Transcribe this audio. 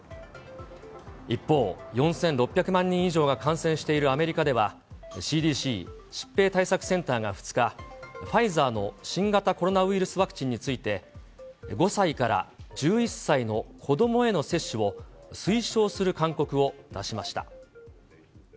一方、４６００万人以上が感染しているアメリカでは、ＣＤＣ・疾病対策センターが２日、ファイザーの新型コロナウイルスワクチンについて、５歳から１１歳の子どもへの接種を推奨する勧告を出しました。